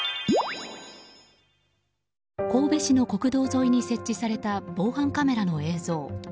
神戸市の国道沿いに設置された防犯カメラの映像。